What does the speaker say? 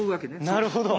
なるほど。